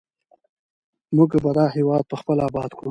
موږ به دا هېواد پخپله اباد کړو.